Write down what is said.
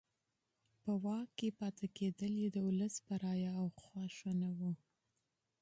په واک کې پاتې کېدل یې د ولس په رایه او خوښه نه وو.